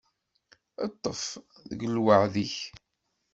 Ṭṭef deg lweɛd-ik.